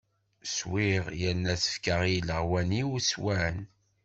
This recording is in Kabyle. Swiɣ, yerna tefka i ileɣwman-iw, swan.